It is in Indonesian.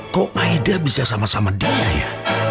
kok aida bisa sama sama dia ya